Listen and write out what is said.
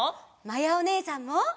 まやおねえさんも！